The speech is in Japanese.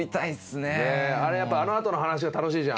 あれやっぱあのあとの話が楽しいじゃん。